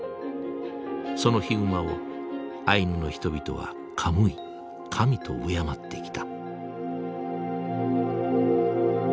そのヒグマをアイヌの人々はカムイ＝神と敬ってきた。